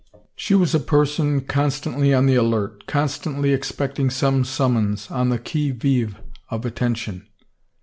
She was a person con stantly on the alert, constantly expecting some sunmions, on the qui vive of attention.